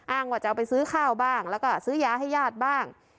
ว่าจะเอาไปซื้อข้าวบ้างแล้วก็ซื้อยาให้ญาติบ้าง